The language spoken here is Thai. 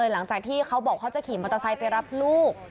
หลังจากที่เขาบอกเขาจะขี่มอเตอร์ไซค์ไปรับลูก